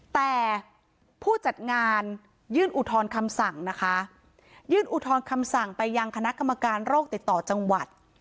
แต่ผู้จัดงานยื่นอุทธรณ์คำสั่งนะคะยื่นอุทธรณ์คำสั่งไปยังคณะกรรมการโรคติดต่อจังหวัด